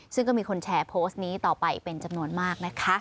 ซึ่งก็มีคนแชร์โพสต์นี้ต่อไปเป็นจำนวนมากนะคะ